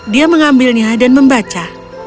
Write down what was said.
dia mengambilnya dan membaca